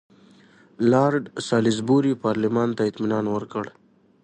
لارډ سالیزبوري پارلمان ته اطمینان ورکړ.